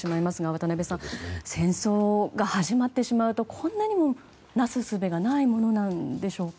渡辺さん戦争が始まってしまうとこんなにもなすすべがないものなんでしょうか。